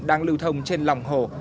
đang lưu thông trên lòng hồ